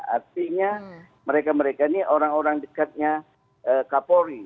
artinya mereka mereka ini orang orang dekatnya kapolri